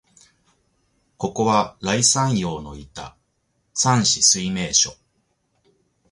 ここは、頼山陽のいた山紫水明処、